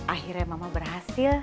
akhirnya mama berhasil